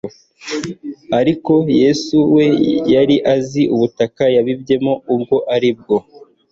Ariko Yesu we yari azi ubutaka yabibyemo ubwo ari bwo.